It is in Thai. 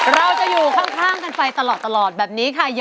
เราจะอยู่ข้างกันไปตลอดแบบนี้ค่ะ